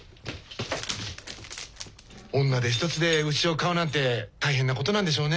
女手一つで牛を飼うなんて大変なことなんでしょうね。